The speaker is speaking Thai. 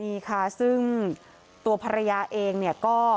นี่ค่ะซึ่งตัวภรรยาเองเนี่ยก็